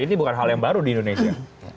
ini bukan hal yang baru di indonesia